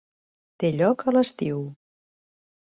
Té lloc a l'estiu.